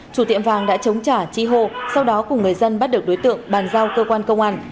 chủ tiệm vàng đã chống trả chi hô sau đó cùng người dân bắt được đối tượng bàn giao cơ quan công an